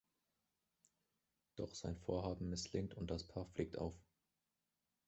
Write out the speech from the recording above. Doch sein Vorhaben misslingt und das Paar fliegt auf.